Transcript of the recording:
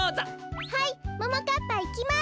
はいももかっぱいきます。